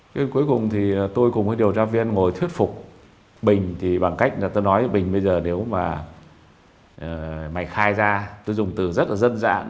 chứ cuối cùng thì tôi cùng với điều tra viên ngồi thuyết phục bình thì bằng cách là tôi nói bình bây giờ nếu mày khai ra tôi dùng từ rất là dân dạng